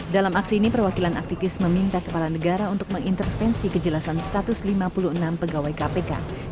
dalam aksi ini perwakilan aktivis meminta kepala negara untuk mengintervensi kejelasan status lima puluh enam pegawai kpk